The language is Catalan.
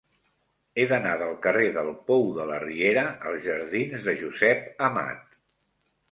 He d'anar del carrer del Pou de la Riera als jardins de Josep Amat.